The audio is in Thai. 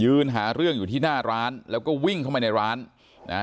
หาเรื่องอยู่ที่หน้าร้านแล้วก็วิ่งเข้าไปในร้านนะฮะ